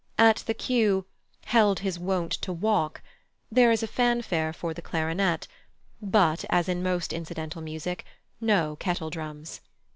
At the cue, "Held his wont to walk," there is a fanfare for the clarinet, but, as in most incidental music, no kettledrums.